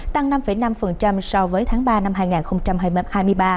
tăng năm năm so với tháng ba năm hai nghìn hai mươi ba